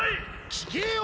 聞けよ！！